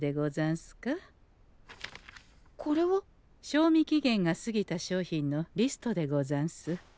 賞味期限が過ぎた商品のリストでござんす。